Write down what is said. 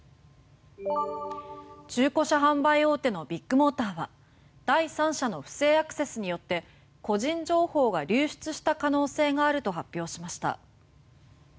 中古車販売大手のビッグモーターは第三者の不正アクセスによって個人情報が流出した可能性があると発表しました。